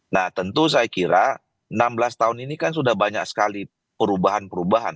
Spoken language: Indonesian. nah tentu saya kira enam belas tahun ini kan sudah banyak sekali perubahan perubahan